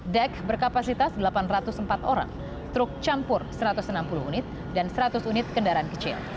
dek berkapasitas delapan ratus empat orang truk campur satu ratus enam puluh unit dan seratus unit kendaraan kecil